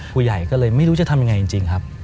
ผู้ใหญ่ก็เลยไม่รู้จะทำยังไงจริงครับ